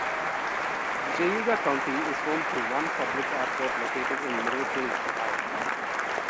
Geauga County is home to one public airport located in Middlefield, Ohio.